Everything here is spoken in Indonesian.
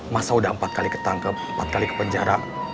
masa sudah empat kali ketangkep empat kali ke penjara